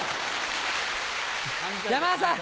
山田さん